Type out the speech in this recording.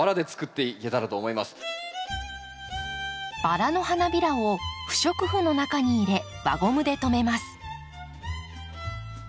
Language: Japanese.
バラの花びらを不織布の中に入れ輪ゴムで留めます。